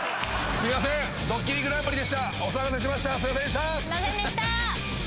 すいませんでした。